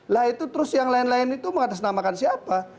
lalu yang lain lain itu mengatasnamakan siapa